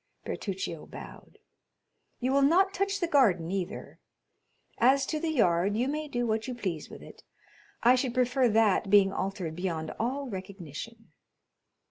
Bertuccio bowed. "You will not touch the garden either; as to the yard, you may do what you please with it; I should prefer that being altered beyond all recognition."